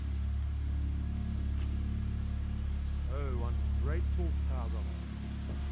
42 OH ungrateful fatherland